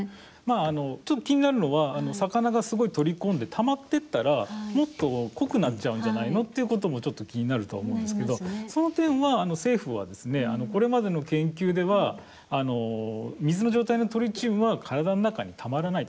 ちょっと気になるのは魚がすごい取り込んでたまってったらもっと濃くなっちゃうんじゃないのっていうこともちょっと気になるとは思うんですけどその点は政府はこれまでの研究では水の状態のトリチウムは体の中にたまらないと。